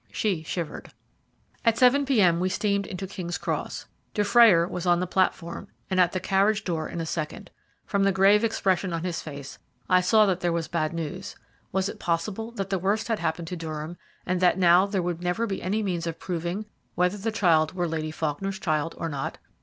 She shivered. At 7 p.m. we steamed into King's Cross. Dufrayer was on the platform, and at the carriage door in a second. From the grave expression on his face I saw that there was bad news. Was it possible that the worst had happened to Durham, and that now there would never be any means of proving whether the child were Lady Faulkner's child or not?